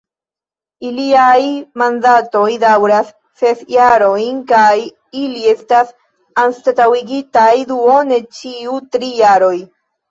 Iliaj mandatoj daŭras ses jarojn, kaj ili estas anstataŭigitaj duone ĉiu tri jaroj.